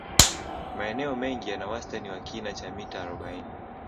Maeneo mengi yana wastani wa kina cha mita arobaini